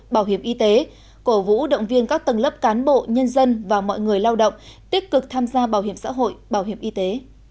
bảo hiểm y tế cổ vũ động viên các tầng lớp cán bộ nhân dân và mọi người lao động tích cực tham gia bảo hiểm xã hội bảo hiểm y tế